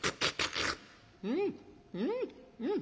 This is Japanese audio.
うんうんうん。